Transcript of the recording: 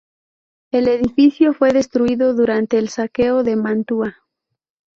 El edificio fue destruido durante el Saqueo de Mantua.